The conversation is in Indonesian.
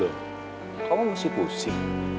lo kamu masih pusing